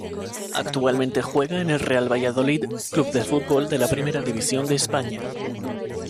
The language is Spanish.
Actualmente juega en el Real Valladolid C. F. de la Primera División de España.